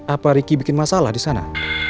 apa ricky bikin masalah di sana